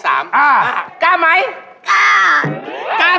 อ่ากล้าไหมกล้าอ่า